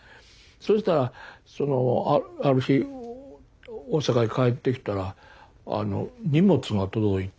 そうしたらある日大阪へ帰ってきたら荷物が届いて。